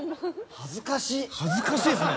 恥ずかしいですね。